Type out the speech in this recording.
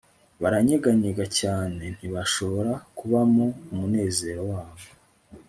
Baranyeganyega cyane ntibashobora kubamo umunezero wabo